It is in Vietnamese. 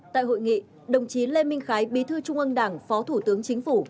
tại hội nghị đồng chí lê minh khái bí thư trung ương đảng phó thủ tướng chính phủ